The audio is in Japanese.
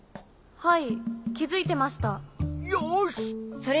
はい。